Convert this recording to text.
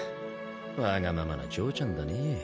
わがままな嬢ちゃんだねぇ。